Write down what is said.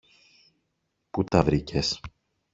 Πού τα βρήκες;